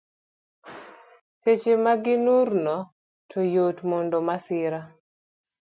Seche ma gi nur no to yot mondo masira